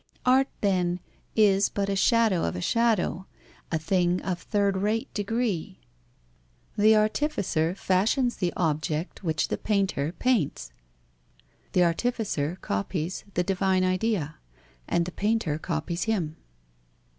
Art, then, is but a shadow of a shadow, a thing of third rate degree. The artificer fashions the object which the painter paints. The artificer copies the divine idea and the painter copies him.